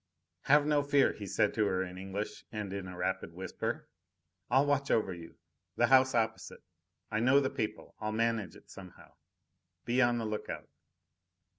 "Have no fear," he said to her in English, and in a rapid whisper. "I'll watch over you. The house opposite. I know the people. I'll manage it somehow. Be on the look out."